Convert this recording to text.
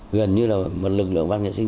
gần như là một lực lượng văn nghệ sinh